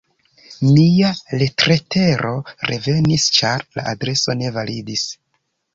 Mia retletero revenis, ĉar la adreso ne validis.